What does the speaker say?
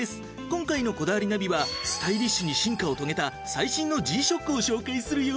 今回の『こだわりナビ』はスタイリッシュに進化を遂げた最新のＧ−ＳＨＯＣＫを紹介するよ。